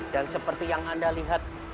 dan seperti yang anda lihat